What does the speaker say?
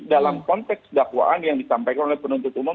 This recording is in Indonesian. dalam konteks dakwaan yang disampaikan oleh penuntut umum